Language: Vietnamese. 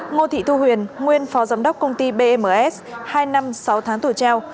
ngô thị thu huyền nguyên phó giám đốc công ty bms hai năm sáu tháng tù treo